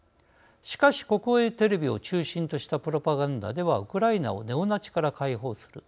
しかし、国営テレビを中心としたプロパガンダでは「ウクライナをネオナチから解放する」